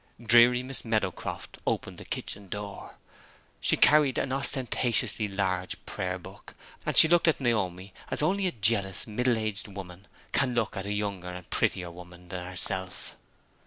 Dreary Miss Meadowcroft opened the kitchen door. She carried an ostentatiously large Prayer Book; and she looked at Naomi as only a jealous woman of middle age can look at a younger and prettier woman than herself.